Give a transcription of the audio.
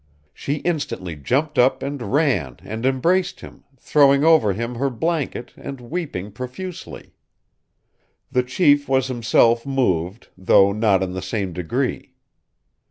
She instantly jumped up and ran and embraced him, throwing over him her blanket, and weeping profusely. The chief was himself moved, though not in the same degree.